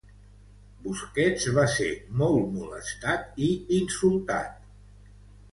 Busquets va ser molt molestat i insultat.